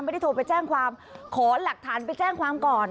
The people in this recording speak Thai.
ไม่ได้โทรไปแจ้งความขอหลักฐานไปแจ้งความก่อน